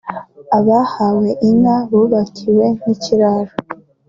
Abahawe inka bubakiwe n’ikiraro